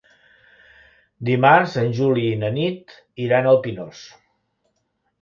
Dimarts en Juli i na Nit iran al Pinós.